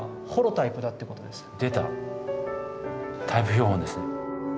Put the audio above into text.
タイプ標本ですね。